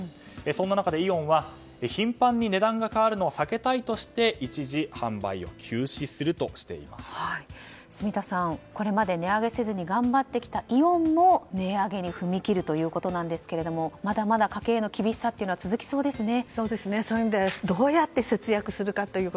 そんな中でイオンは頻繁に値段が変わるのを避けたいとして住田さん、今まで頑張ってきたイオンも値上げに踏み切るということですがまだまだ家計への厳しさは続きそうですね。